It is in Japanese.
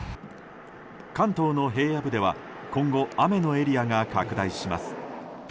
関東の平野部では今後、雨のエリアが拡大します。